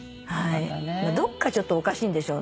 どっかちょっとおかしいんでしょうね。